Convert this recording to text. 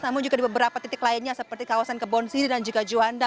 namun juga di beberapa titik lainnya seperti kawasan kebon siri dan juga juanda